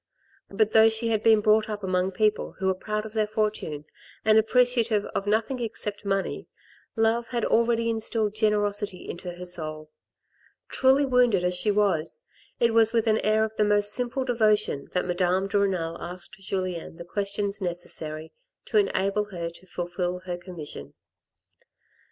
But though she had been brought up among people who are proud of their fortune and appreciative of nothing except money, love had already instilled generosity into her soul. Truly wounded as she was, it was with an air of the most simple devotion that Madame de Renal asked Julien the questions necessary to enable her to fulfil her commission.